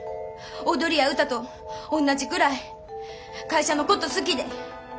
踊りや歌とおんなじくらい会社のこと好きで。